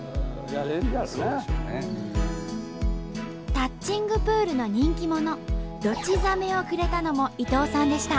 タッチングプールの人気者ドチザメをくれたのも伊藤さんでした。